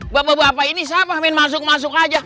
bapak bapak ini siapa main masuk masuk aja